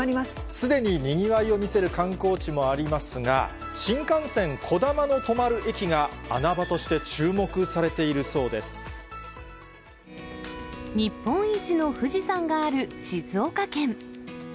すでににぎわいを見せる観光地もありますが、新幹線こだまの止まる駅が、穴場として注目されているそうで日本一の富士山がある静岡県。